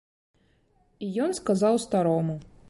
І ён сказаў старому.